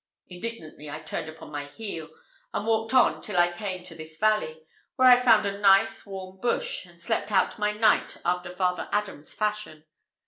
Indignantly I turned upon my heel, and walked on till I came to this valley, where I found a nice warm bush, and slept out my night after Father Adam's fashion.